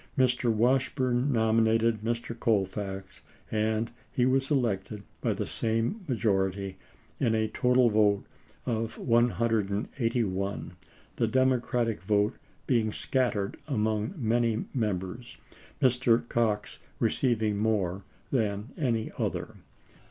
Mr. Washburne nominated Mr. Colfax, and he was elected by the same majority in a total vote of 181, the Democratic vote being scattered among many Members, Mr. Cox receiving more than any other.